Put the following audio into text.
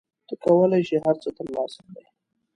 ته کولای شې هر څه ترلاسه کړې.